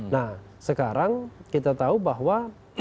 nah sekarang kita tahu bahwa